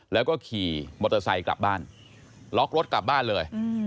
แล้วก็ขี่มอเตอร์ไซค์กลับบ้านล็อกรถกลับบ้านเลย